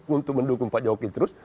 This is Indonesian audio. untuk mendukung pak jokowi terus